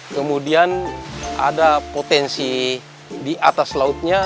kemudian ada potensi di atas lautnya